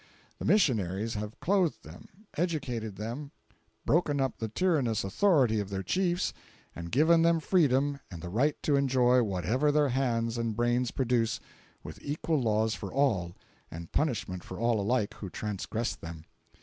The missionaries have clothed them, educated them, broken up the tyrannous authority of their chiefs, and given them freedom and the right to enjoy whatever their hands and brains produce with equal laws for all, and punishment for all alike who transgress them.